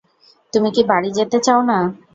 তুমি কি বাড়ি যেতে চাও না?